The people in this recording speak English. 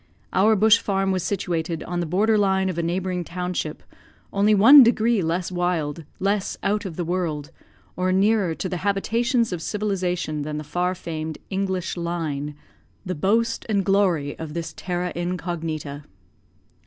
Our bush farm was situated on the border line of a neighbouring township, only one degree less wild, less out of the world, or nearer to the habitations of civilisation than the far famed "English Line," the boast and glory of this terra incognita.